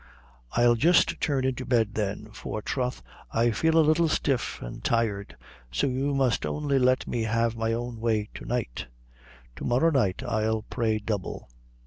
I'll just turn into bed, then, for troth I feel a little stiff and tired; so you must only let me have my own way to night. To morrow night I'll pray double."